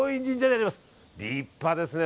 立派ですね。